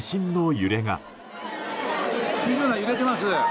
揺れてます。